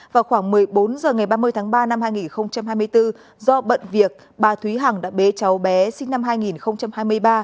vào khoảng một mươi bốn h ngày ba mươi tháng ba năm hai nghìn hai mươi bốn do bận việc bà thúy hằng đã bế cháu bé sinh năm hai nghìn hai mươi ba